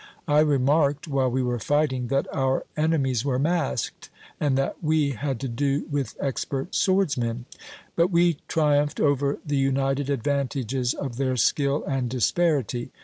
I remarked while we were fighting, that our enemies were masked, and that we had to do with expert swordsmen. But we triumphed over the united ad vantages of their skill and disparity.